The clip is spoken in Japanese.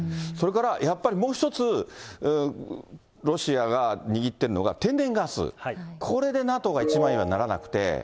それからやっぱりもう１つ、ロシアが握っているのが、天然ガス、これでＮＡＴＯが一枚岩にならなくて。